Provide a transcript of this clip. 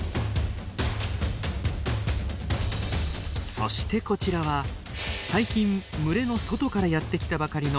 そしてこちらは最近群れの外からやって来たばかりのトロント。